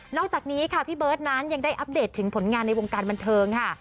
อกจากนี้ค่ะพี่เบิร์ตนั้นยังได้อัปเดตถึงผลงานในวงการบันเทิงค่ะ